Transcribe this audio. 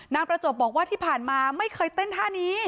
ประจบบอกว่าที่ผ่านมาไม่เคยเต้นท่านี้